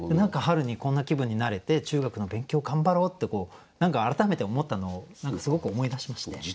春にこんな気分になれて中学の勉強頑張ろうって何か改めて思ったのをすごく思い出しまして。